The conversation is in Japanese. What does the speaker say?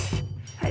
はい。